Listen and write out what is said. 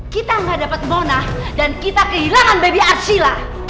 kita gak dapet mona dan kita kehilangan baby arsila